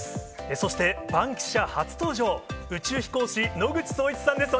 そして、バンキシャ初登場、宇宙飛行士、野口聡一さんです。